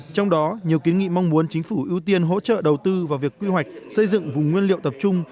trong đó nhiều kiến nghị mong muốn chính phủ ưu tiên hỗ trợ đầu tư vào việc quy hoạch xây dựng vùng nguyên liệu tập trung